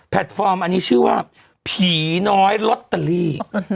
ฟอร์มอันนี้ชื่อว่าผีน้อยลอตเตอรี่